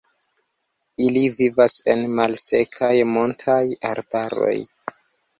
Ili vivas en malsekaj montaj arbaroj.